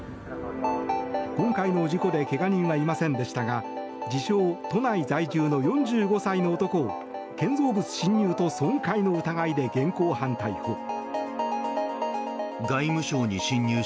今回の事故でけが人はいませんでしたが自称・都内在住の４５歳の男を建造物侵入と損壊の疑いで現行犯逮捕。